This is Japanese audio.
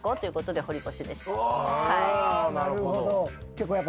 なるほど。